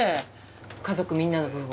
家族みんなの分を？